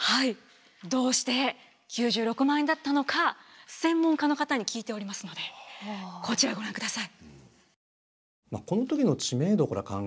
どうして９６万円だったのか専門家の方に聞いておりますのでこちらをご覧ください。